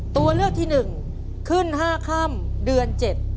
ตัวเลือกที่หนึ่งขึ้น๕ค่ำเดือน๗